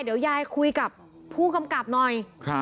เดี๋ยวยายคุยกับผู้กำกับหน่อย